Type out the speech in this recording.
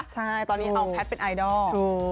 ใช่ตอนนี้เอาแพทย์เป็นไอดอล